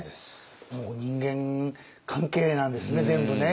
もう人間関係なんですね全部ね。